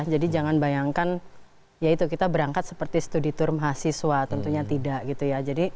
jadi jangan bayangkan ya itu kita berangkat seperti studi tur mahasiswa tentunya tidak gitu ya